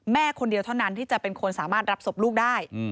แม่คนเดียวเท่านั้นที่จะเป็นคนสามารถรับศพลูกได้